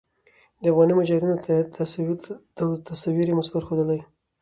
د افغاني مجاهدينو تصوير ئې مثبت ښودلے